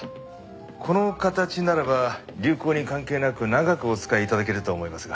この形ならば流行に関係なく長くお使い頂けると思いますが。